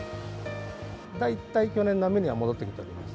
大体去年並みには戻ってきております。